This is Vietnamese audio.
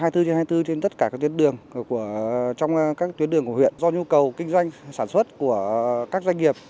hai mươi bốn trên hai mươi bốn trên tất cả các tuyến đường trong các tuyến đường của huyện do nhu cầu kinh doanh sản xuất của các doanh nghiệp